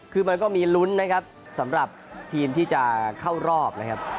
คือมันก็มีลุ้นนะครับสำหรับทีมที่จะเข้ารอบนะครับ